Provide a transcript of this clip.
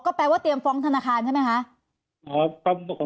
แปลว่าเตรียมฟ้องธนาคารใช่ไหมคะ